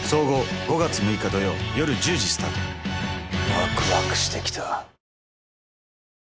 ワクワクしてきた。